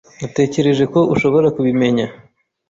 Natekereje ko ushobora kubimenya.